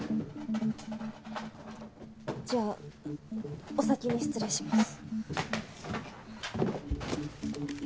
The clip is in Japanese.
じゃあお先に失礼します。